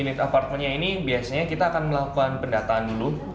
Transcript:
unit apartemennya ini biasanya kita akan melakukan pendataan dulu